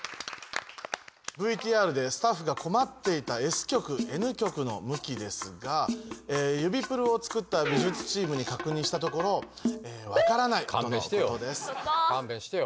ＶＴＲでスタッフがこまっていたＳ極Ｎ極のむきですが指プルを作った美術チームにかくにんしたところかんべんしてよ。